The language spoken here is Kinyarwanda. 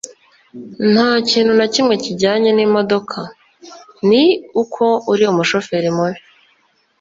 nta kintu na kimwe kijyanye n'imodoka. ni uko uri umushoferi mubi